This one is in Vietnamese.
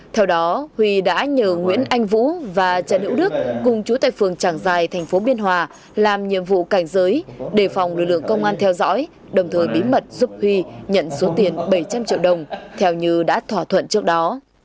theo đó huy đã nhờ nguyễn anh vũ và trần hữu đức cùng chú tại phường tràng giài thành phố biên hòa làm nhiệm vụ cảnh giới đề phòng lực lượng công an theo dõi đồng thời bí mật giúp huy nhận số tiền bảy trăm linh triệu đồng theo như đã thỏa thuận trước đó